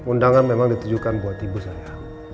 undangan memang ditujukan buat ibu saya